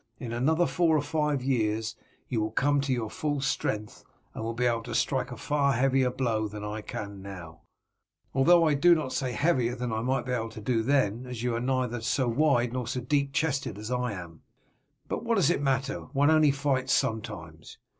In another four or five years you will come to your full strength, and will be able to strike a far heavier blow than I can now; although I do not say heavier than I may be able to do then, as you are neither so wide nor so deep chested as I am. But what does it matter, one only fights sometimes.